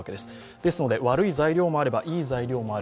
ですので、悪い材料もあればいい材料もある。